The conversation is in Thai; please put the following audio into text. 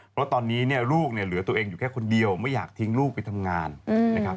เพราะตอนนี้เนี่ยลูกเนี่ยเหลือตัวเองอยู่แค่คนเดียวไม่อยากทิ้งลูกไปทำงานนะครับ